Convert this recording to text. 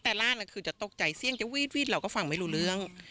แต่ร่านคือจะตกใจเสี่ยงจะวีดเราก็ฟังไม่รู้เรื่อง